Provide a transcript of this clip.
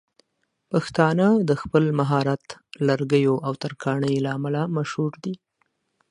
پښتانه د خپل مهارت لرګيو او ترکاڼۍ له امله مشهور دي.